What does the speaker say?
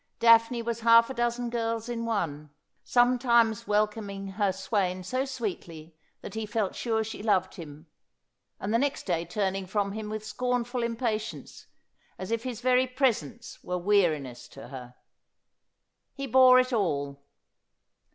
Daphne was half a dozen girls in one ; sometimes welcoming her swain so sweetly that K 146 Asphodel. he felt sure she loved him, and the next day turning from him with scornful impatience, as if his very presence were weariness to her. He bore it all.